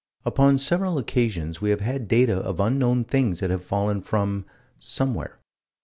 Upon several occasions we have had data of unknown things that have fallen from somewhere.